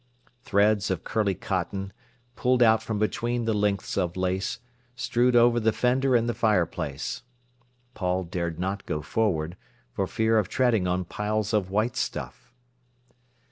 Threads of curly cotton, pulled out from between the lengths of lace, strewed over the fender and the fireplace. Paul dared not go forward, for fear of treading on piles of white stuff.